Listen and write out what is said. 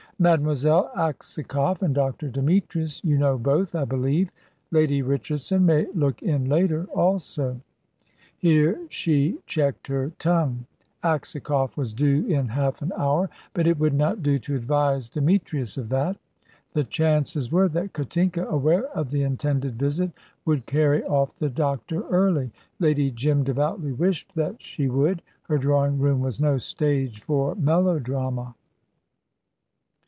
"Mademoiselle Aksakoff and Dr. Demetrius you know both, I believe. Lady Richardson may look in later; also " Here she checked her tongue. Aksakoff was due in half an hour; but it would not do to advise Demetrius of that. The chances were that Katinka, aware of the intended visit, would carry off the doctor early. Lady Jim devoutly wished that she would. Her drawing room was no stage for melodrama.